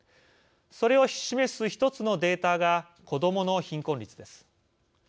それを示す１つのデータが子どもの貧困率です。